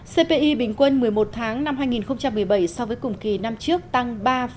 cpi bình quân một mươi một tháng năm hai nghìn một mươi bảy so với cùng kỳ năm trước tăng ba sáu mươi một